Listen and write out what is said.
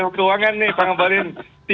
keuangan nih pak ngabalin